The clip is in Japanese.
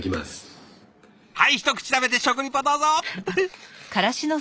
はい一口食べて食リポどうぞ！